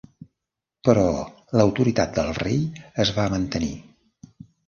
Però l'autoritat del rei es va mantenir.